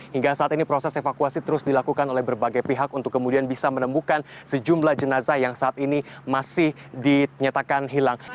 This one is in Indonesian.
hingga saat ini proses evakuasi terus dilakukan oleh berbagai pihak untuk kemudian bisa menemukan sejumlah jenazah yang saat ini masih dinyatakan hilang